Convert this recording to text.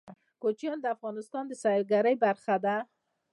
کوچیان د افغانستان د سیلګرۍ برخه ده.